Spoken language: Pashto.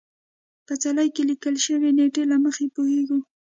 په څلي کې لیکل شوې نېټې له مخې پوهېږو.